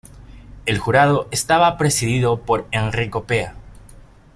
El jurado estaba presidido por Enrico Pea.